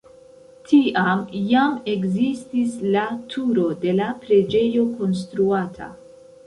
Tiam jam ekzistis la turo de la preĝejo konstruata.